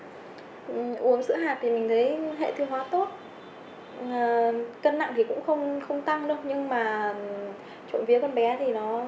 hệ thương hóa tốt cân nặng thì cũng không tăng đâu nhưng mà trộn với con bé thì nó khỏe không sao hết